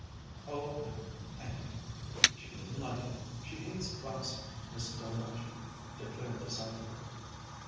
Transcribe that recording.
"Oh, no, thank you. She wouldn't like it. She hates a fuss," Miss Delmege declared decidedly.